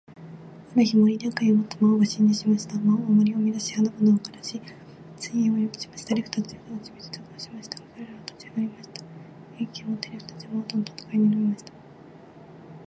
ある日、森に悪意を持つ魔王が侵入しました。魔王は森を乱し、花々を枯らし、水源を汚しました。エルフたちは悲しみ、絶望しましたが、彼らは立ち上がりました。勇気を持って、エルフたちは魔王との戦いに挑みました。